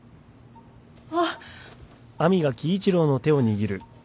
あっ！